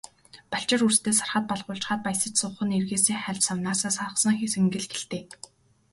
Балчир үрстээ сархад балгуулчхаад баясаж суух нь эргээсээ хальж, савнаасаа сагасан цэнгэл гэлтэй.